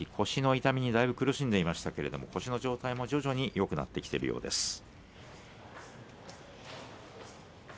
腰の痛み、だいぶ苦しんでいましたが腰の状態はだいぶよくなってきているようです。